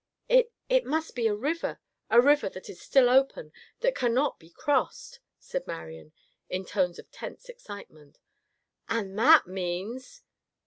"It—it must be a river, a river that is still open, that cannot be crossed," said Marian in tones of tense excitement. "And that means!"